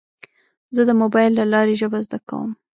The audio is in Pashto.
زه د موبایل له لارې ژبه زده کوم.